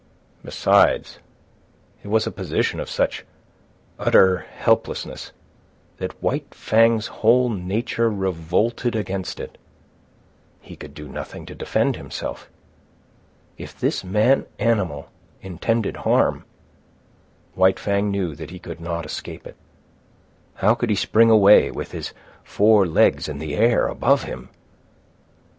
Besides, it was a position of such utter helplessness that White Fang's whole nature revolted against it. He could do nothing to defend himself. If this man animal intended harm, White Fang knew that he could not escape it. How could he spring away with his four legs in the air above him?